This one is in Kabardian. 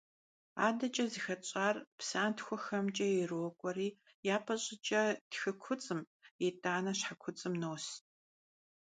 АдэкӀэ зыхэтщӀар псантхуэхэмкӀэ ирокӀуэри япэ щӀыкӀэ тхы куцӀым, итӀанэ щхьэ куцӀым нос.